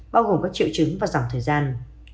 bao gồm các triệu chứng và dòng thời gian